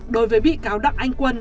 đối với bị cáo đặng anh quân